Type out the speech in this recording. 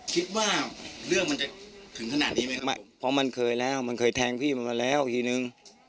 คิดว่าเรื่องมันจะถึงขนาดนี้ไหมครับไม่เพราะมันเคยแล้วมันเคยแทงพี่มันมาแล้วทีนึง